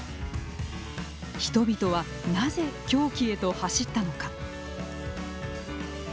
人々はなぜ狂気へと走ったのか。